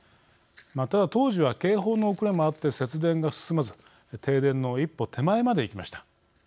ただ、当時は警報の遅れもあって節電が進まず停電の一歩手前までいきました。